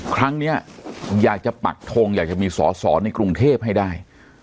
ครั้งนี้อยากจะปักทงอยากจะมีสอสอในกรุงเทพให้ได้